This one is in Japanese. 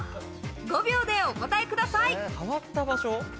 ５秒でお答えください。